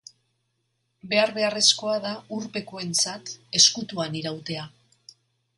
Behar beharrezkoa da urpekoentzat ezkutuan irautea.